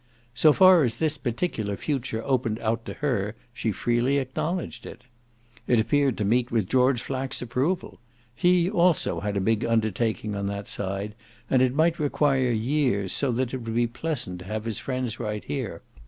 So far as this particular future opened out to her she freely acknowledged it. It appeared to meet with George Flack's approval he also had a big undertaking on that side and it might require years, so that it would be pleasant to have his friends right there.